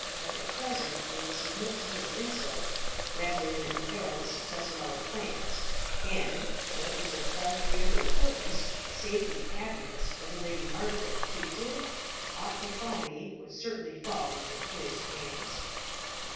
But, at present, I will submit to his insult rather than imperil the success of our plans, and, what is of far greater importance, the safety and happiness of the Lady Margaret, who, did aught befall me, would assuredly fall into his hands."